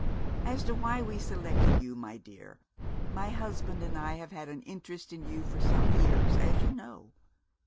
As to why we selected you, my dear, my husband and I have had an interest in you for some years, as you know.